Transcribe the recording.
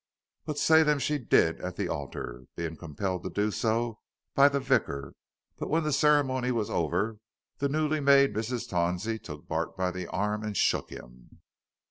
But say them she did at the altar, being compelled to do so by the vicar. But when the ceremony was over, the newly made Mrs. Tawsey took Bart by the arm and shook him.